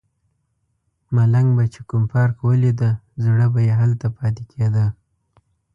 ملنګ به چې کوم پارک ولیده زړه به یې هلته پاتې کیده.